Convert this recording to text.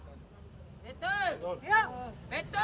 tipu tipu bilang tidak tahu lagi